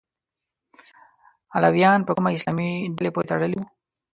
علویانو په کومه اسلامي ډلې پورې تړلي وو؟